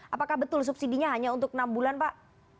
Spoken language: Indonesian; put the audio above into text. apakah betul subsidi nya hanya untuk enam bulan pak